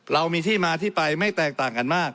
เรามีที่มาที่ไปไม่แตกต่างกันมาก